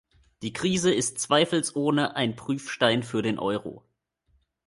Die Krise ist zweifelsohne ein Prüfstein für den Euro.